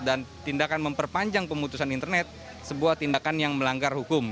tindakan memperpanjang pemutusan internet sebuah tindakan yang melanggar hukum